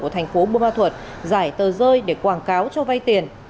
của thành phố bô ma thuật giải tờ rơi để quảng cáo cho vay tiền